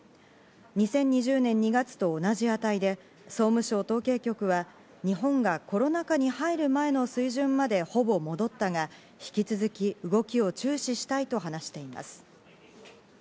２０２０年２月と同じ値で総務省統計局は日本がコロナ禍に入る前の水準まで、ほぼ戻ったが、引き続き動きを注視したいと話しています。